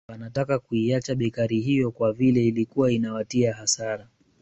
Wanataka kuiacha bekari hiyo kwa vile ilikuwa inawatia hasara